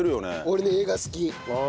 俺ね映画好き。